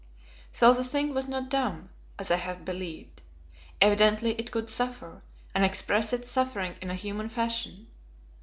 So the thing was not dumb, as I had believed. Evidently it could suffer, and express its suffering in a human fashion.